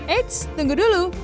eits tunggu dulu